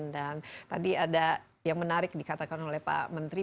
tadi ada yang menarik dikatakan oleh pak menteri